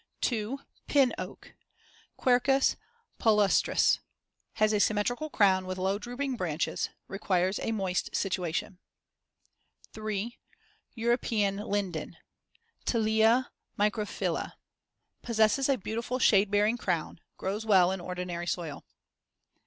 2. Pin oak (Quercus palustris) Has a symmetrical crown with low drooping branches; requires a moist situation. 3. European linden (Tilia microphylla) Possesses a beautiful shade bearing crown; grows well in ordinary soil.